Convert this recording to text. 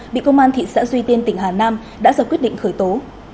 bị công an thị xã duy tiên tỉnh hà nam đã ra quyết định khởi tố